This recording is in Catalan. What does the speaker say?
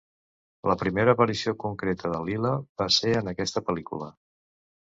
La primera aparició concreta de Lila va ser en aquesta pel·lícula.